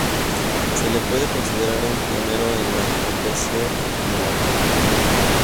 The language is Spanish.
Se le puede considerar un pionero de la aviación y de la radio.